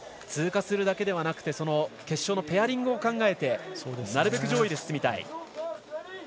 通過するだけではなく決勝のペアリングも考えてなるべく上位で進みたい。